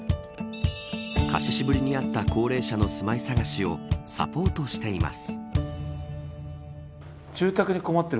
貸し渋りにあった高齢者の住まい探しをサポートしています。